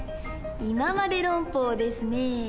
「いままで論法」ですね。